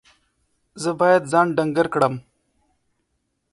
زه باید ځان ډنګر کړم.